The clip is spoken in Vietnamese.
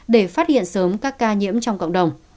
để phát hiện sớm các ca nhiễm trong cộng đồng